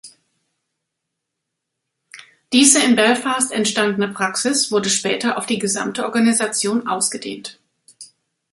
Diese in Belfast entstandene Praxis wurde später auf die gesamte Organisation ausgedehnt.